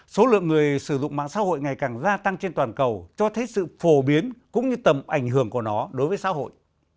số lượng người sử dụng mạng xã hội ngày càng gia tăng trên toàn cầu cho thấy sự phổ biến cũng như tầm ảnh hưởng của nó đối với xã hội